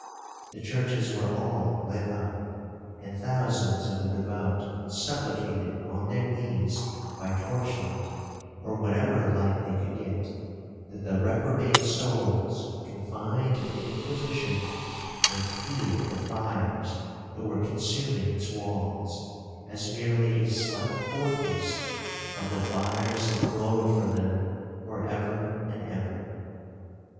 The churches were all lit up, and thousands of the devout supplicated on their knees by torch light, or whatever light they could get, that the reprobate souls confined in the Inquisition might feel the fires that were consuming its walls, as merely a slight foretaste of the fires that glowed for them for ever and ever.